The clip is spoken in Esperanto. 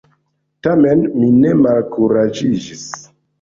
Tamen, mi ne malkuraĝiĝis.